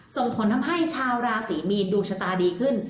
ส่งผลทำให้ชาวราศีมีนดวงชะตาดีขึ้น